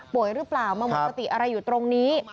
หรือเปล่ามาหมดสติอะไรอยู่ตรงนี้